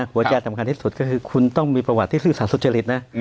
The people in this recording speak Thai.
หัวใจสำคัญที่สุดก็คือคุณต้องมีประวัติที่ซื่อสารสุจริตนะ